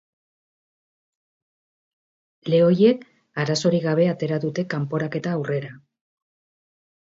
Lehoiek arazorik gabe atera dute kanporaketa aurrera.